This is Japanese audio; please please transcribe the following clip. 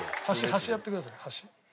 端やってください端。